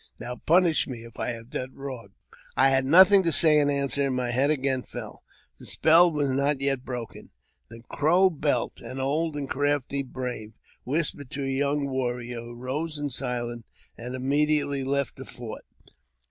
Now punish me if I have done wrong." I had nothing to say in answer, and my head again fell — the spell was not yet broken. The Crow Belt, an old and crafty brave, whispered to a young warrior, who rose in silence, and immediately left the fort.